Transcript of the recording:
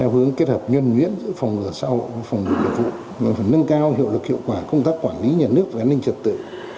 và phần nâng cao hiệu lực hiệu quả công tác quản lý nhà nước và an ninh trật tự